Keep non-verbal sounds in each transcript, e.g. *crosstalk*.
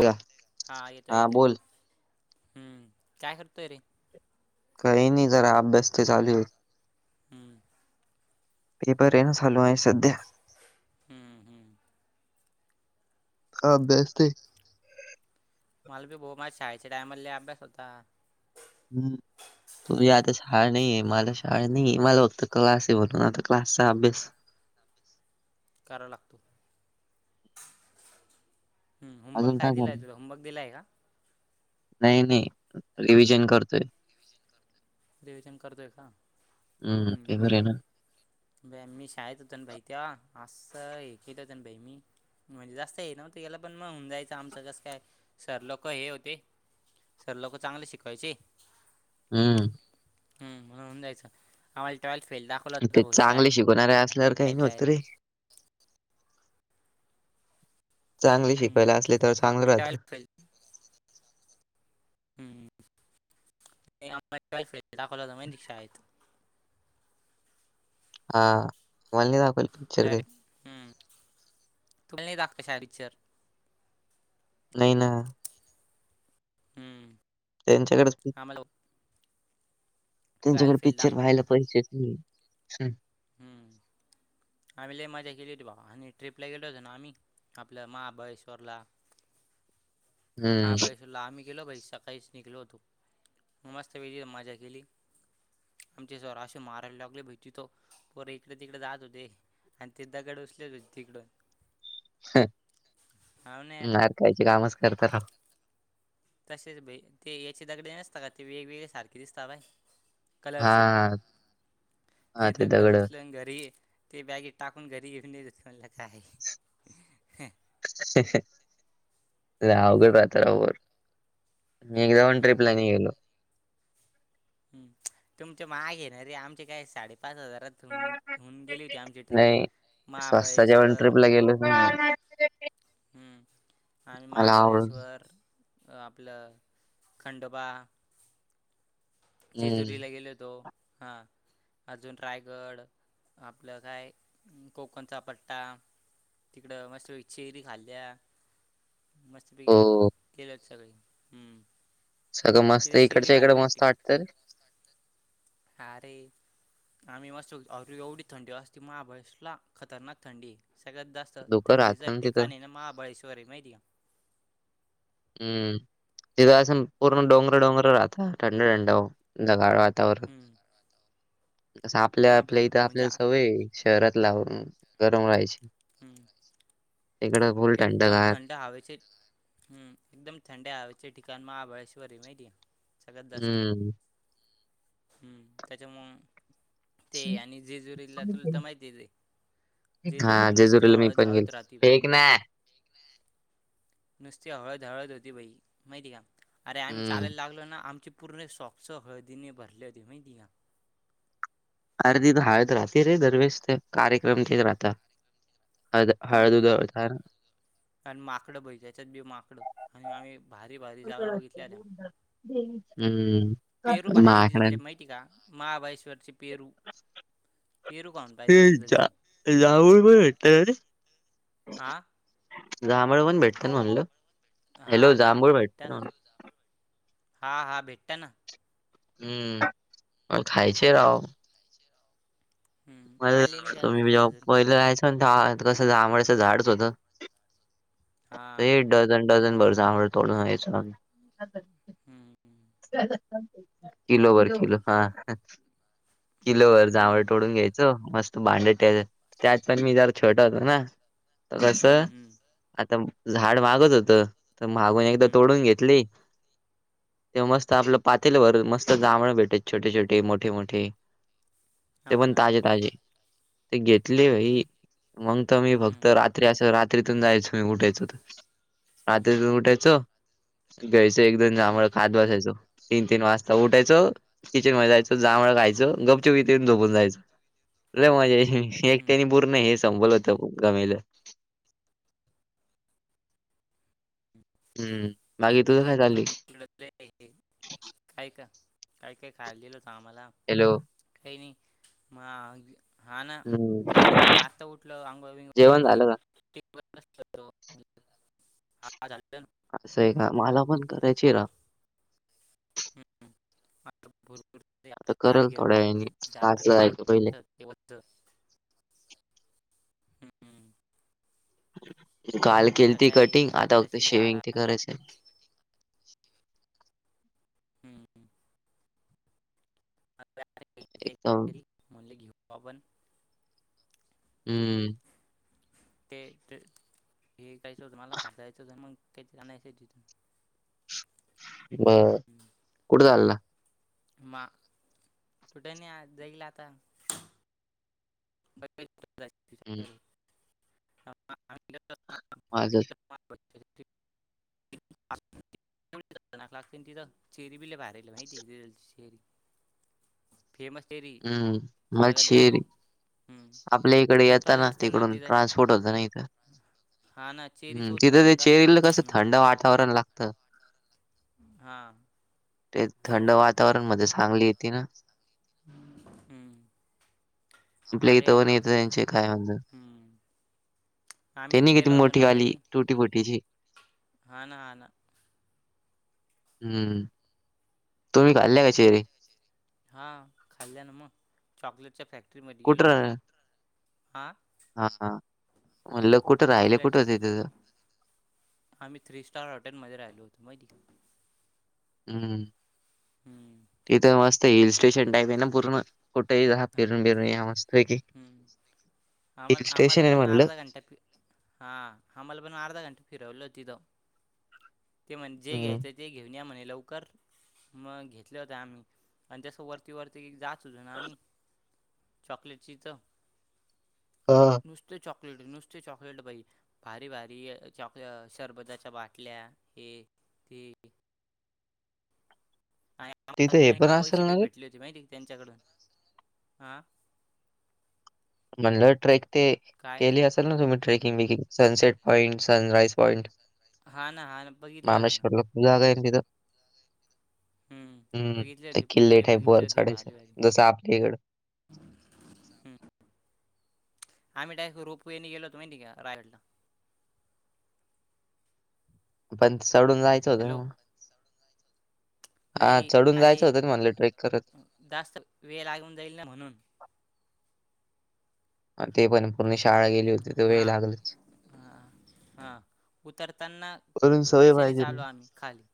Hello हा येतोय येतोय हम्म काय करतोय रे. काही नाही जरा अभ्यास ते चालू आहे. हम्म. पेपर रे ना चालू हाय सध्या. हम्म हम्म. का अभ्यास ते. मला बी बो माझ शाळेच्या टायमले अभ्यास होता. हम्म तुझ हम्म याद. हा नाही आहे मला शाळ नाही माझा फक्त क्लास आहे म्हणून आता क्लासचा अभ्यास. करावा लागतो. हम होुमबर्क अजून काय दिलाय झालं तुला होमबर्क दिलाय का. नाही नाही रि्हजन करतोय. रीव्हिजन करतोय का हम्म. पेपर आहे ना ब मी शाळेत होत बाई त्या असं हे केलं होत बाई मी. म्हणजे जास्त हे नव्हत याला पण मग होऊन जायचं आमचं कसं काय सर लोक हे होते. सर लोक चांगले शिकवायचे. हम्म. हं होऊन जायचं आम्हाला टवेल्थ फेलला. ते चांगले शिकवणारे असल्यावर काही नाही होत डायरेक्ट रे. चांगले शिकवायला असले तर चांगलं राहतं. हम्म हम्म. *inaudible* दाखवला होता माहीतीय काय शाळेत हा कोलनी दाखवली पिक्चर काय. डायरेक्ट हम्म तुम्हाला नाह दाखवायचा हा पिक्चर. नाही नां. हम्म. त्यांच्याकडेच. आम्हाला त्यांच्याकडे ट्वेल्थ फेल पिक्चर दाखव व्हायला पैसेच नाही. हम्म. आम्ही लय मजा केली होती बाबा आणि ट्रीपला गेलो होतो ना आम्ही आपलं महाबळेश्वरला. हम्म महाबळेश्वरला आम्ही गेलो बाई सकाळीच निघलो होतो मस्त पैकी मजा केली. आमचे सर असे मारायला लागले भिती तो पोर इकडे तिकडे जात होते. आणि ते दगड उचलेलेत तिकड. हं यार मार खायचे कामच करता राव. तसेच बे ते याचे दगडे नसता का ते वेगवेगळे सारखे दिसतात बाय. कलरचे हां, हां, ते दगड दगडं. उसलून घरी. ते बॅगेत टाकून घरी घेऊन आणलं म्हणलं काय आहे. हंहं लावगे *unintelligible* तारावर मीं एकदा पण हम्म ट्रिपला नाही गेलो. हम तुमच्या मागे ना रे आमचे काय साडेपाच हजारात. तुमं होऊंन गेली होती आमची ट्रिप महाबळेश्वर गेलतं *unintelligible* *unintelligible* हं आम्हीं मला आवडत महाबळेश्वर आपलं खंडोबां हं. जेजुरीलां गेलो होतो हां अजूंन रायगड आपलं कायं अं कोकणच्या पट्टा तिकडं मस्तं चेरी खाल्ल्यां. मस्तंपैकी हो, केलेच सगळे हं. सगळं मस्तं इकडच्यां इकडं मस्तं वाटतं रे. मस्तं वाटतं हां रे आम्हीं मस्तं अरे एवढी थंडी वाजते महाबळेश्वरला खतरनांक थंडी आहे सगळ्यांत जास्तं थं धुकं थंडीच राहतं ना तिथं. ठिकाणं आहे नां महाबळेश्वर आहे माहिती आहे कां हम्मं तिथं असं पूर्ण हम्म डोंगर डोंगर राहातं थंड थंड थंडगार वातांवरण हम्म असं आपल्यां महाबाई आपल्यां इथं म्हणजे आपल्यांला आ- सवयं आहे. शहरांत लावूंन गरमं हवेची. हम्मं एकदंम थंडगार. थंड हवेचे हम्मं एकदंम थंड हवेचे ठिकांण महाबळेश्वर आहे माहितीये हम्मं हम्मं त्यांच्यामुळे ते आणि जेजुरीला तुलां तरं माहितीचं आहे. जेजुरीला हां, नुसती मी हळंद पण गेलो. हळंद राहती फेक बघं. ना. नुस्ती हळंद हळंद होती बाई माहिती कां अरे आम्हीं हं. चालायंला लागलो नां आमची पूर्ण सॉक्स हळदीने भरले होते माहीतीय आहे कां अरे तिथे हळंद राहते रे दरवेळेस तीथे कार्यक्रम तेचं राहतात हळंद हळंद हम्म उधळतांना आणि माकडं बाई त्यांचेच बी माकड आणि आम्हीं भारी भारी जागां बघितल्यांत हम्मं. पेरू भारी जिथले माहिती कां महाबळेश्वरचे पेरू. पेरू कांन कायं ते तुझी जा त्यांलची जांभूळ पण भेटत ना रे हां जांभळ पणं भेट. हॅलो हां जांभळ भेटत भेटतं ना नां म्हणलं. हां -हां भेटतां नां हम्मं मंग खायंचे रांव. हम्म आणले नाही मलां का तुम्हीं घरी जेंव्हा अजून पाहिलं जायचं कसं आंबड्याचं झाडाचं होतं. हा लंय डझंन -डझंन भरं जांभळ तोंडून आणांयचो आम्हीं. हम्म किलोभर किलो हां किलोभर जांभळ हम्म तोंडून घ्यांयचे मस्तं भांड त्यांत पणं मी जरं छोटां होतो नां तरं हम्म कसं. हम्म आंता झाडं मागतं होतं तरं मागूंन एकदां हम्म तोडूंन घेतली. तेंव्हा मस्तं आपलं पातेलभर मस्तं जांभळं भेटतं छोटे छोटे मोठे मोठे ते हाव पणं ना तांजे तांजे ते घेतले मी मंग तरं मी हम्म फक्तं रात्री असं रात्रीतूंन जायचो. उठायचं रात्री उठायचो. घ्यांयचं एक दोन जांभळ हम्म खातं बसायचं. तीनं -तीनं वाजंता उठायचं. किचन मध्यें जायचं. जांभळ खायचं. गुपचूप इथे येऊन झोपूंन जायचं. लई मज्जा यांयची हम्म एकट्यांने पूर्ण संपवलं हम्म होतं घमेल. हम्मं बाकी तुझं कायं चाललंय कायं कां कायं -कायं खाल्लेलं होतं आम्हांला. हॅलो. काही नाही मग, हा ना हम्म काही नाही म्हणल आता उठल, अंगोळ -बिंगोळ जेवण झाल का? *unintelligible* अस आहे का? मला पण करायची राव. हम्म. आता करल थोड्या वेळाने क्लासला जायचं पहिले *unintelligible* हम्म काल केल आता ती काय कटिंग, मी आता फक्त आत्ताशी जार शेविंग ते आणला करायच. हम्म. एकदम *unintelligible* म्हणले घेऊ आपण. हम्म. ते- ते -हे कयचंतुम्हाला, पाययचं मग. *unintelligible* बर, कुठे चालला? म कुठे नाही? जाईला आता. *inaudible* हम्म *inaudible* ना लागत ना माझं ती तर चेरी भी लई भारी नाही चेरी. फेमस चेरी, हम्म सगळ्यात जास्त मलशेरी हम्म आपल्या इकडे येत उत्पादन ना, असते तिकडून तिथं ट्रान्सपोर्ट होत ना, इथ. हा ना हम्म, चेरीचं तिथ ते उत्पादन जास्त आहे चेरीला तिकडे कस म्हणून थंड वातावरण लागत. ह.. ते थंड वातावरण मध्ये चांगली येते ना. हम्म. आपल्या अरे, इथं आ पण येतं त्यांचे काय म्हणतात हम्म. आम्ही त्यांनी किती गेलो होतो मोठी ना, आली भाई. तुटी फुटीची हा ना, हा ना. हम्म. तुम्ही खाल्या का? चेरी. हा, खाल्ल्या ना मग चॉकलेटच्या फॅक्टरीमध्ये गेलो होतो ना? हा. हा-हा म्हणल कुठ? राहिले कुठं? चॉकलेटच्या होते तं. आम्ही थ्री स्टार हॉटेलमध्ये राहिलो होतो, माहिती का? हम्म हम्म तिथ मस्त हिल स्टेशन टाईप आहे ना पूर्ण. कुठेही जाहा हा फिरून बिरून या मस्तपैकी. हम्म आमला आम्हाला पण म्हणलं अर्धा. हा आम्हाला पण अर्धा घंटा फिरवल होत तिथे. ते म्हण जे हम्म घ्यायच ते घेऊन या म्हणे लवकर. मग घेतले होते आम्ही आणि जस वरती वरती जात होतो ना आम्ही चॉकलेटची चव हा नुसते चॉकलेट -नुसते चॉकलेट भाई भारी- भारी चॉक शरबताच्या बाटल्या हे -ते. आणिआम्हला तिथं हे डायरेक्ट पण असेल पैसे ना बी रे भेटले होते माहिती का त्यांच्याकडून, आ म्हणल ट्रेक ते काय केली असेल ना तुम्ही trekking biking sunset point sunrise point हा ना हा बघितल्या होत्या ना. महाबळेश्वरला खूप जागा आहे ना तिथे. हम्म बघितले ते होते किल्ले पुतळे टाईप वर बघितले होते चढायच. भारी भारी जसं आपल्या गड. हम्म. आम्ही डायरेक्ट रोपवेने गेलो होतो माहिती का? रायगडला. पण चढून जायचं होतं हॅलो ना. हा नाही चढून अरे जायचं होतं ना म्हणलं, ट्रेक करत. जास्त वेळ लागून जाईल ना म्हणून. ते पण पूर्ण शाळा गेली होती. तर वेळ हा लागलच. हा. हा उतरताना वरून सवय यानानेच पाहिजे आलो मग. आम्ही खाली.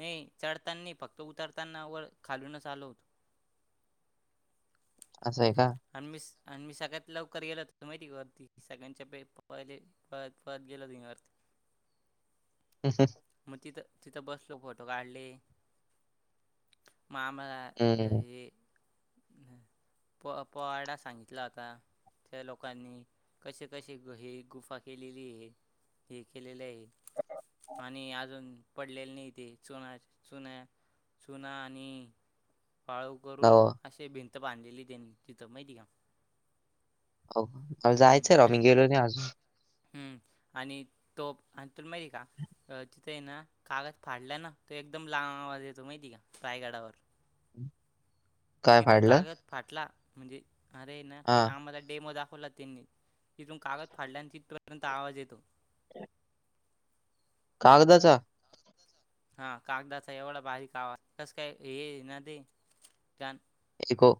ये चढतानी फक्त. उतरताना व खालूनच आलो होतो. असंय का? अण मीस अण मी सगळ्यात लवकर गेलो होतो माहिती का? वरती. सगळ्यांच्या पाहिले. पळत पळत गेलो धिंगा वरती. हम्म हम्म. म तिथं तिथं बसलो. फोटो काढले. मग आम्हां हं, ये प पोवाडा सांगितला होता. त्या लोकांनी. कसे कसे हे गुफा केलेलीये. हे केलेलय. आणि अजून पडलेले नाही ते. चुना चुना चुना आणि पाळव करून, हो, असे भिंत बांधलेलीय त्यांनी तिथं. माहिते का? हो मला हम्म, जायचंय राव. मी आणि गेलो नाही अजून. हम्म आणि तोफ आणि तुला माहितीे का? अ तिथंय ना. कागद फाडला ना, तर एकदम लांब आवाज येतो माहितीय का? रायगडावर. काय तिथून फाडलं? कागद फाटला. म्हणजे अरे ना काही हां, आम्हाला डेमो दाखवला होता त्यांनी. इथून कागद फाडला ना, तिथपर्यंत आवाज येतो. *inaudible* कागदाचा? हा कागदाचा एवढा बारीक आवाज. कस काय? हे ना ते. एचीको.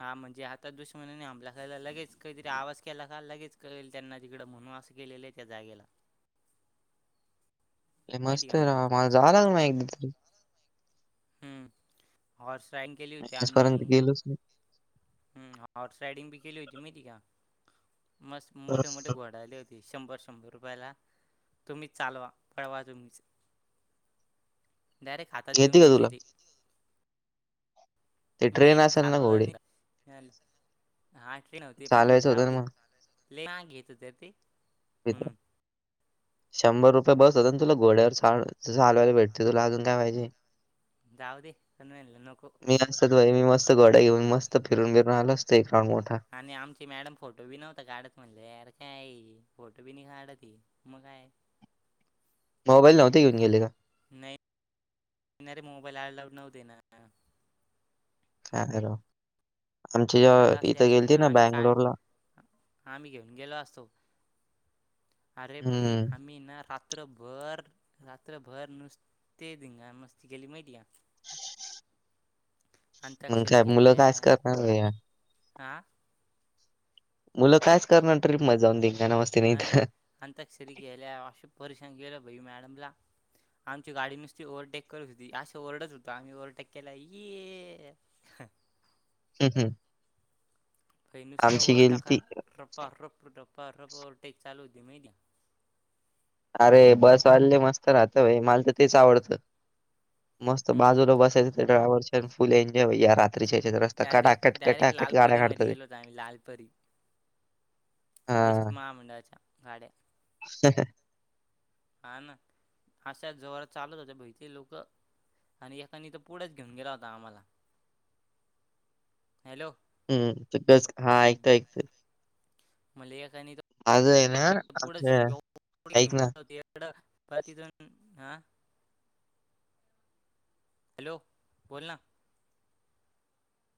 हा म्हणजे आता दुश्मनाणे हमला केला. लगेच काहीतरी आवाज केला का लगेच काळेल त्यांना तिकड. म्हणुन असे केलेलय. त्या जागेला. ये माहिती का मस्तय राव. मला जावा लागेल म एकदा तरी. हम्म हॉर्स राइड केली होती आम्ही लस में *unintelligible* हम्म हॉर्स राइडिंग बी केली होती माहिती का? मस्त हं. मोठे मोठे घोडे आले होते. शंभर शंभर रुपयाला, तुम्हीच चालवा. पळवा तुम्हीच. डायरेक्ट हातात देऊन येते का द्यायचे तुला? ते. ते नाही ट्रेन मी असेल ना चालवलं घोडे, नाही. *unintelligible* आणखीन होते पण मला चालवायचं जाऊ होतं दे. ना मग लय महाग घेत होते रे ते. थ म्हणून शंभर रुपये बस होता ना. तुला घोड्यावर चाल चालवायला भेट त तुला आजुन काय पाहिजे? जावदे. पन म्हणल नको. मी असताच भाई मी मस्त घोड्या घेऊ मस्त फिरून बिरून आलो असतो. एक राऊड मोठा. आणि आची मॅडम फोटो बी नवता काढत. म्हणले अर काये. फोटो बी नाही काढत. म काय? मोबाईल नव्हते घेऊन गेले का. नाही येणारे. मोबाईल अलाउड नव्हते ना. काय करावं. लढ असले असते ना. आम्ही काढ आम्ही घेऊन गेलो असतो. अरे भाई हं. आम्ही ना रात रात्रभर रात्रभर नुस्ते धिंगाना, मस्ती केेली माहिती का. अंताक्षरी म्हणत्यात मुलं खेळल्या काय अस करणार नाही आहेत. हा. मुलं कायच करणार ट्रिप मध्ये जाऊन धिंगाणा, मस्ती नाही हा ना. तर. अंताकक्षरी गेल्या परीशान गेल भाई मॅडमला. आमची गाडी नुसती ओव्हरटेक करत होती. अस ओरडत होतं आम्ही ओव्हरटेक केल की ये. ह. हम् हम. होय, नुसत वर टाका. गेलती. रपा रप्प रप्पा रप्प ओव्हरटेक चालू होती माहिती येका. अरे, बस वाले लय मस्त राहतय. मला तर तेच आवडत. मस्त हम्म बाजूला बसायचं. तर ड्रायव्हरच्या फुल एन्जॉय भाई या. तर हेच्या हिच्यात रस्ता डायरेक्ट कटाकट डायरेक्ट कटाकट गाड्या काढतात लालपरीमध्ये ते. गेलो होतो आम्ही लालपरी एस हां. टी महामंडळाच्या गाड्या हा ना. अशा जोरात चालत होत्या. भाई ती लोकं आणि एकानी तर पुढेच घेऊन गेला होता आम्हाला. हॅलो, हम्म, तिथंच हा ऐकतोय ऐकतोय. मले एकानी तर आज हाय ना. आमच्या ऐक ना *unintelligible* हॅलो, बोल ना?